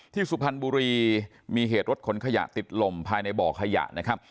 สุพรรณบุรีมีเหตุรถขนขยะติดลมภายในบ่อขยะนะครับ